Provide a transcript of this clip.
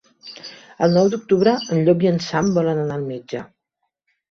El nou d'octubre en Llop i en Sam volen anar al metge.